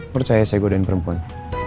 percaya saya godain perempuan